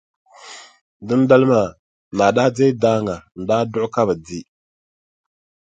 Dindali maa, naa daa deei daaŋa n-daa duɣi ka bɛ di.